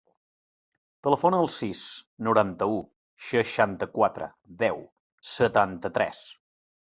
Telefona al sis, noranta-u, seixanta-quatre, deu, setanta-tres.